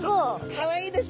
かわいいですね